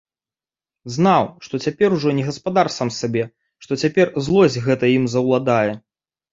Знаў, што цяпер ужо не гаспадар сам сабе, што цяпер злосць гэта ім заўладае.